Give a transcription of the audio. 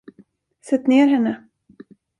Sätt ner henne!